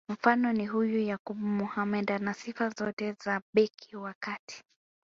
Mfano ni huyu Yakub Mohamed ana sifa zote za beki wa kati